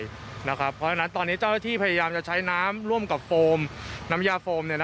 เพราะฉะนั้นตอนนี้เจ้าหน้าที่พยายามจะใช้น้ำร่วมกับโฟมน้ำยาโฟม